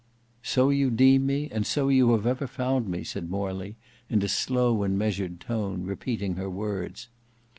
"So you deem me, and so you have ever found me," said Morley in a slow and measured tone, repeating her words.